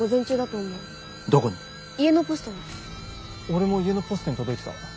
俺も家のポストに届いてた。